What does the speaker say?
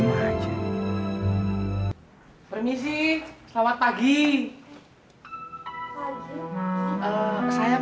satu perusahaan pasti kan